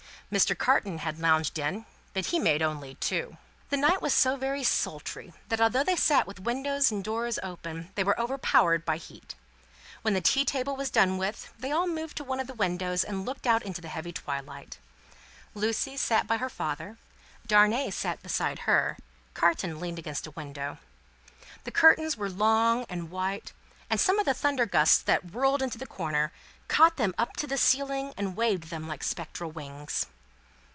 Mr. Carton had lounged in, but he made only Two. The night was so very sultry, that although they sat with doors and windows open, they were overpowered by heat. When the tea table was done with, they all moved to one of the windows, and looked out into the heavy twilight. Lucie sat by her father; Darnay sat beside her; Carton leaned against a window. The curtains were long and white, and some of the thunder gusts that whirled into the corner, caught them up to the ceiling, and waved them like spectral wings.